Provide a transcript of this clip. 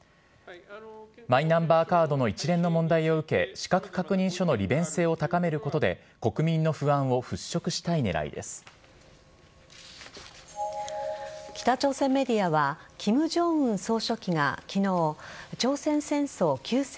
マイナンバーカードの一連の問題を受け資格確認書の利便性を高めることで国民の不安を北朝鮮メディアは金正恩総書記が昨日朝鮮戦争休戦